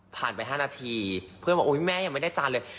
ไป๕นาทีเพื่อนบอกอุ๊ยแม่ยังไม่ได้จานเลย